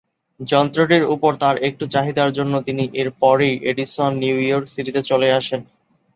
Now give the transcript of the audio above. যন্ত্রটির উপর তার একটু চাহিদার জন্য, তিনি এরপরেই এডিসন নিউ ইয়র্ক সিটিতে চলে আসেন।